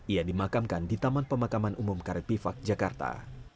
ia dimakamkan di taman pemakaman umum karet bifak jakarta